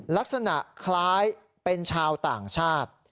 ลักษณะคล้ายเป็นชาวต่างชาติ